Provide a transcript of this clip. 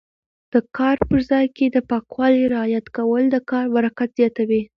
د کار په ځای کې د پاکوالي رعایت کول د کار برکت زیاتوي.